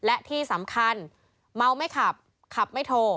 เม้าไม่ขับขับไม่โท